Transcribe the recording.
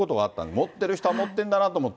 持ってる人は持ってるんだなと思って。